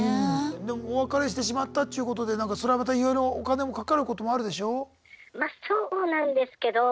でもお別れしてしまったっちゅうことでそれはまたいろいろお金もかかることもあるでしょう？